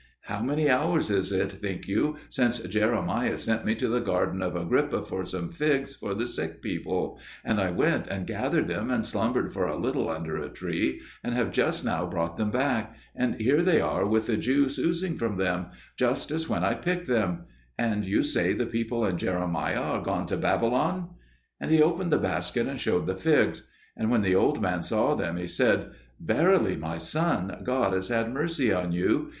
How many hours is it, think you, since Jeremiah sent me to the garden of Agrippa for some figs for the sick people, and I went and gathered them and slumbered for a little under a tree, and have just now brought them back; and here they are with the juice oozing from them, just as when I picked them; and you say the people and Jeremiah are gone to Babylon!" And he opened the basket and showed the figs. And when the old man saw them he said, "Verily, my son, God has had mercy on you.